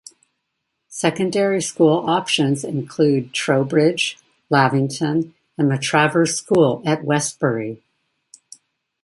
Secondary school options include Trowbridge, Lavington, and Matravers School at Westbury.